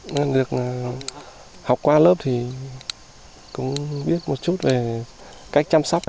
nên được học qua lớp thì cũng biết một chút về cách chăm sóc